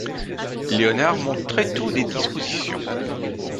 Léonard montre très tôt des dispositions.